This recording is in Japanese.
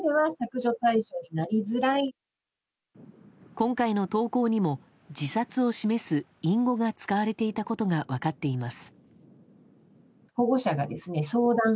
今回の投稿にも自殺を示す隠語が使われていたことが分かっています。